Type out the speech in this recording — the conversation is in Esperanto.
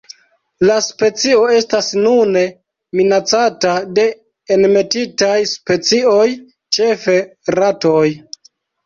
La specio estas nune minacata de enmetitaj specioj, ĉefe ratoj.